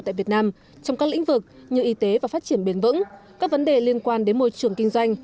tại việt nam trong các lĩnh vực như y tế và phát triển bền vững các vấn đề liên quan đến môi trường kinh doanh